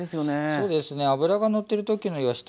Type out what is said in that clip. そうですね脂がのってる時のいわし